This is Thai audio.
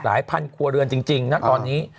หลายพันธุ์ขัวเรือนจริงนะตอนนี้